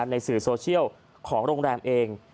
ในสื่อโซเชียลของโรงแรมเอง